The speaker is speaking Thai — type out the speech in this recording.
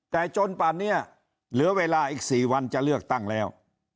แต่จนป่านนี้เหลือเวลาอีก๔วันจะเลือกตั้งแล้ว